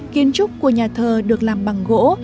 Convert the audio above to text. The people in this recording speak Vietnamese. kiến trúc của nhà thờ được làm bằng gỗ